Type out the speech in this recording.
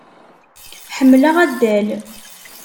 Ḥemmleɣ addal.